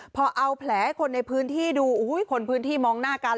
พอเอาแผลให้คนในพื้นที่ดูคนพื้นที่มองหน้ากัน